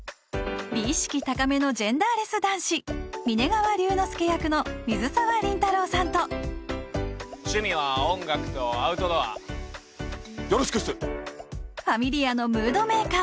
美意識高めのジェンダーレス男子峯川龍之介役の水沢林太郎さんと趣味は音楽とアウトドアよろしくっすファミリ家のムードメーカー